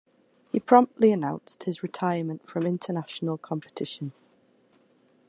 He promptly announced his retirement from international competition.